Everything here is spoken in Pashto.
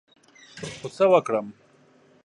خو څه وکړم ؟